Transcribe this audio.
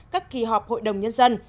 các kỳ họp hội đồng nhân dân